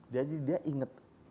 jadi dia inget